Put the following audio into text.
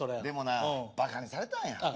でもなバカにされたんや。